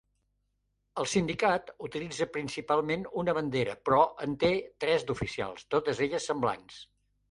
El sindicat utilitza principalment una bandera, però en té tres d'oficials, totes elles semblants.